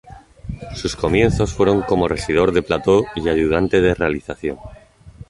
Sus comienzos fueron como regidor de plató y ayudante de realización.